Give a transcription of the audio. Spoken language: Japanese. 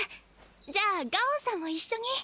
じゃあガオンさんもいっしょに。